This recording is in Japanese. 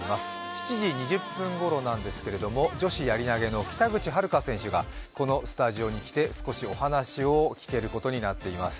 ７時２０分ごろなんですが、女子やり投げの北口榛花選手がこのスタジオに来て、少しお話を聞けることになっています。